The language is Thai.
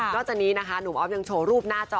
นอกจากนี้หนูอ๊อฟยังโชว์รูปหน้าจอ